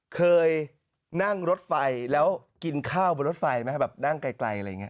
เคยนั่งรถไฟแล้วกินข้าวบนรถไฟไหมครับแบบนั่งไกลอะไรอย่างนี้